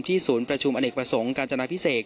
ศูนย์ประชุมอเนกประสงค์การจนาพิเศษ